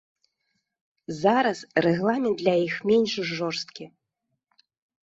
Зараз рэгламент для іх менш жорсткі.